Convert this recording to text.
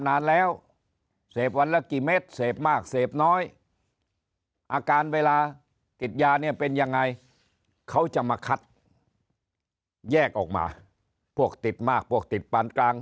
นานแล้วเสพวันละกี่เม็ดเสพมากเสพน้อยอาการ